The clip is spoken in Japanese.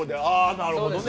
なるほどね。